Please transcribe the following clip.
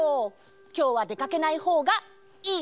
きょうはでかけないほうがいいかもね！